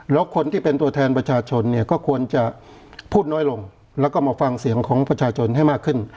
แล้วคนที่เป็นตัวแทนประชาชนเนี่ยก็ควรจะพูดน้อยลงแล้วก็มาฟังเสียงของประชาชนให้มากขึ้น